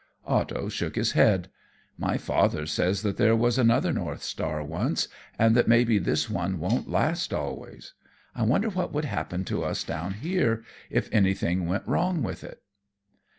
Otto shook his head. "My father says that there was another North Star once, and that maybe this one won't last always. I wonder what would happen to us down here if anything went wrong with it?"